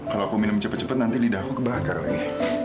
kalau aku minum cepat cepat nanti lidah aku kebakar lagi